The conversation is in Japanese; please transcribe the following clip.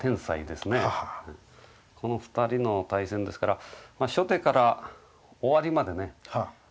この２人の対戦ですから初手から終わりまでね